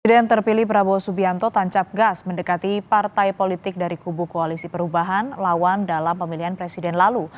presiden terpilih prabowo subianto tancap gas mendekati partai politik dari kubu koalisi perubahan lawan dalam pemilihan presiden lalu